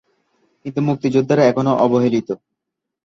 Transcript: কিন্তু মুক্তিযোদ্ধারা এখনও অবহেলিত।